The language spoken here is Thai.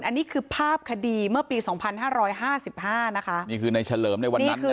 อันนี้คือภาพคดีเมื่อปี๒๕๕๕นะคะนี่คือในเฉลิมในวันนั้นนะฮะ